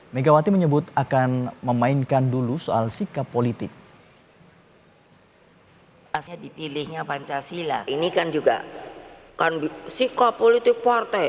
megawati menyebut akan memainkan dulu soal sikap politik